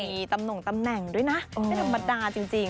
มีตำหน่งตำแหน่งด้วยนะไม่ธรรมดาจริง